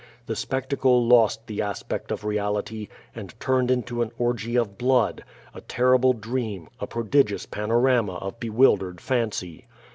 The spectacle lost the aspect of reality, and turned into an orgy of blood, a terrible dream, a prodigious panorama of bewildered fancy.